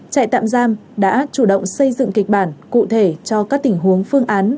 trại tạm giam đã chủ động xây dựng kịch bản cụ thể cho các tình huống phương án